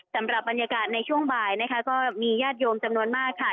สำหรับบรรยากาศในช่วงบ่ายนะคะก็มีญาติโยมจำนวนมากค่ะ